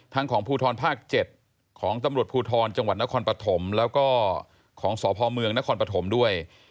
ของภูทรภาค๗ของตำรวจภูทรจังหวัดนครปฐมแล้วก็ของสพเมืองนครปฐมด้วย